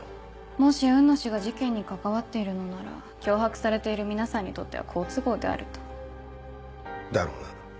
もし雲野が事件に関わっているのなら脅迫されている皆さんにとっては好都合であると？だろうな。